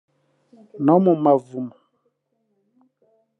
no mu mavumo